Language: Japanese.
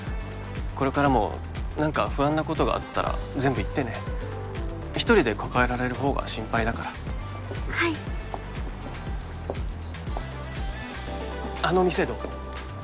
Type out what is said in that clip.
これからも何か不安なことがあったら全部言ってね一人で抱えられる方が心配だからはいあの店どう？